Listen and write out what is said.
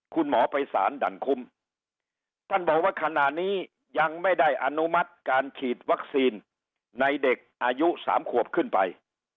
คุณหมอไปสารดั่นคุ้มท่านบอกว่าขณะนี้ยังไม่ได้อนุมัติการฉีดวัคซีนในเด็กอายุ๓ขวบขึ้นไป